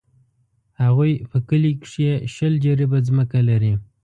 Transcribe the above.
هغوی په کلي کښې شل جریبه ځمکه لري.